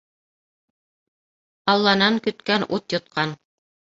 Алланан көткән ут йотҡан.